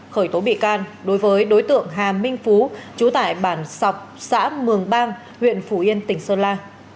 khởi tố bị can đối với đối tượng hà minh phú chú tải bản sọc xã mường bang huyện phù yên tỉnh sơn la